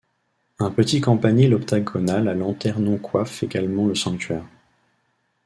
Un petit campanile octogonal à lanternon coiffe également le sanctuaire.